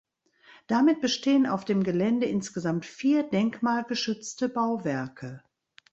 Damit bestehen auf dem Gelände insgesamt vier denkmalgeschützte Bauwerke.